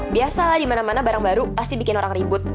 biasalah dimana mana barang baru pasti bikin orang ribut